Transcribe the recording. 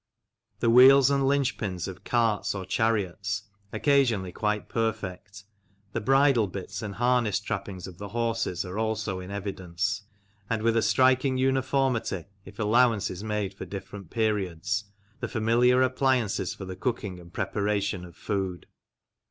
The wheels and linch pins of carts or chariots, occasionally quite perfect, the bridle bits and harness trappings of the horses are also in evidence; and with a striking uniformity, if allowance is made for THE ROMANS IN LANCASHIRE 37 different periods, the familiar appliances for the cooking and preparation of food.